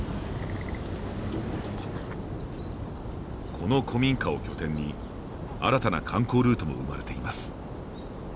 この古民家を拠点に新たな観光ルートも生まれています。